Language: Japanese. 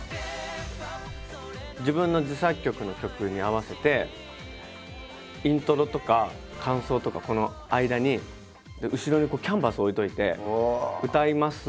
自分の自作曲の曲に合わせてイントロとか間奏とかこの間に後ろにこうキャンバス置いておいて歌います。